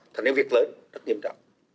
thành những việc lớn rất nghiêm trọng